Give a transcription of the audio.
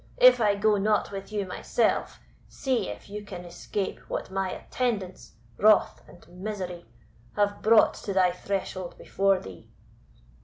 If I go not with you myself, see if you can escape what my attendants, Wrath and Misery, have brought to thy threshold before thee."